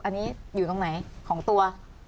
อันนี้อยู่ตรงไหนของตัว